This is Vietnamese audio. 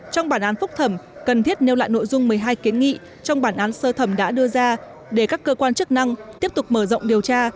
trong bản án phúc thẩm cần thiết nêu lại nội dung một mươi hai kiến nghị trong bản án sơ thẩm đã đưa ra để các cơ quan chức năng tiếp tục mở rộng điều tra